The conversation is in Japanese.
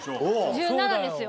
１７ですよ。